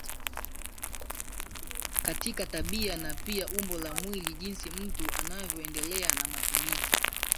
katika tabia na pia umbo la mwili Jinsi mtu anavyoendelea na matumizi